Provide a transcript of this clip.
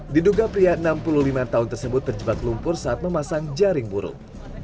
diduga pria enam puluh lima tahun tersebut terjebak lumpur saat memasang jaring burung